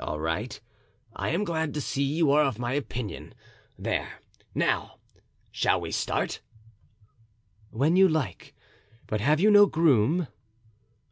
"All right; I am glad to see you are of my opinion. There now, shall we start?" "When you like; but have you no groom?"